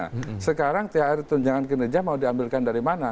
nah sekarang thr tunjangan kinerja mau diambilkan dari mana